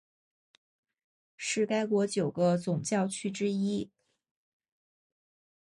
是该国九个总教区之一。